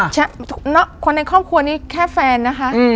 ใช่คนในครอบครัวนี้แค่แฟนนะคะ